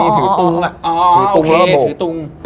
อ๋อโอเคถือตุง